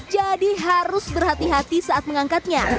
jadi harus berhati hati saat mengangkatnya